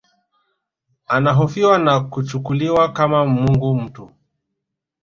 Anahofiwa na kuchukuliwa kama mungu mtu